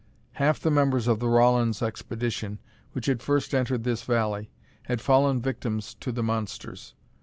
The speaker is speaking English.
Half the members of the Rawlins Expedition, which had first entered this valley, had fallen victims to the monsters.